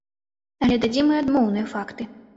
Але дадзім і адмоўныя факты.